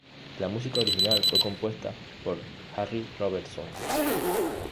La música original fue compuesta por Harry Robertson.